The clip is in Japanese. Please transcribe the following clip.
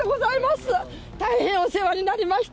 大変お世話になりました。